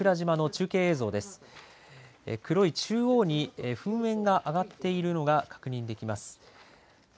中央に黒い噴煙が上がっているのが確認できます。